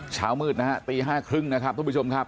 เช้ามืดนะฮะตีห้าครึ่งนะครับท่านผู้ชมครับ